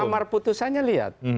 amar putusannya lihat